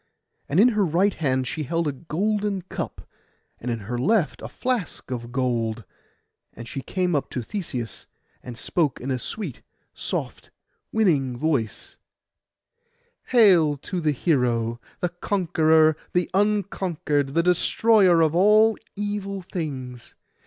And in her right hand she held a golden cup, and in her left a flask of gold; and she came up to Theseus, and spoke in a sweet, soft, winning voice— 'Hail to the hero, the conqueror, the unconquered, the destroyer of all evil things!